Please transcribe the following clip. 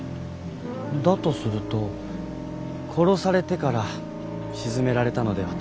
だとすると殺されてから沈められたのではと。